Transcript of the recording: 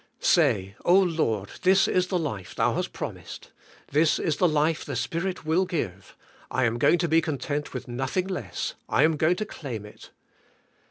Say, "Oh Lord, this is the life Thou hast promised; this is the life the Spirit will give; I am going to be content with nothing less; I am going to claim it.